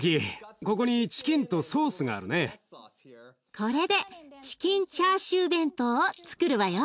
これでチキンチャーシュー弁当をつくるわよ。